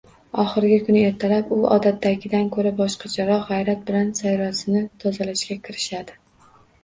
Oxirgi kuni ertalab u odatdagidan ko‘ra boshqacharoq g‘ayrat bilan sayyorasini tozalashga kirishadi.